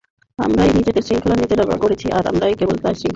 আমরাই নিজেদের শৃঙ্খল নিজেরা গড়েছি, আর আমরাই কেবল ঐ শিকল ভাঙতে পারি।